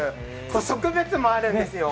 植物もあるんですよ。